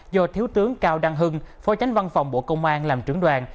do thiếu tướng cao đăng hưng phó tránh văn phòng bộ công an làm trưởng đoàn